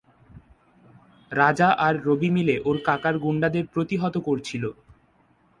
রাজা আর রবি মিলে ওর কাকার গুন্ডাদের প্রতিহত করছিল।